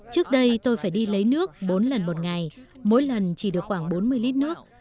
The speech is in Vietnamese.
trước đây tôi phải đi lấy nước bốn lần một ngày mỗi lần chỉ được khoảng bốn mươi lít nước